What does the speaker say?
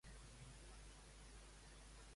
Quins assumptes volia comentar Colau?